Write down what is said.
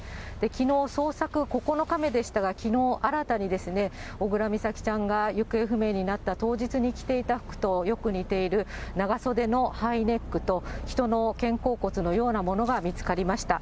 きのう、捜索９日目でしたが、きのう、新たにですね、小倉美咲ちゃんが行方不明になった当日に着ていた服とよく似ている長袖のハイネックと、人の肩甲骨のようなものが見つかりました。